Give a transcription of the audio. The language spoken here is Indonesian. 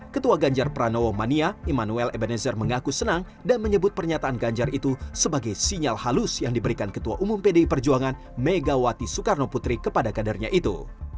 ketua ganjar pranowo mania immanuel ebenezer mengaku senang dan menyebut pernyataan ganjar itu sebagai sinyal halus yang diberikan ketua umum pdi perjuangan megawati soekarno putri kepada kadernya itu